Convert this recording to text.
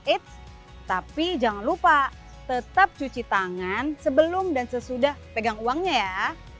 eits tapi jangan lupa tetap cuci tangan sebelum dan sesudah pegang uangnya ya